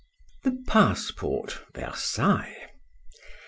THE PASSPORT. VERSAILLES.